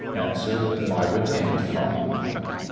My retained copy.